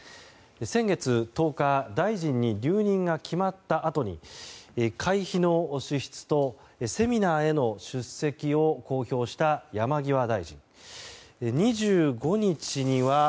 先月１０日大臣に留任が決まったあとに会費の支出とセミナーへの出席を公表した山際大臣。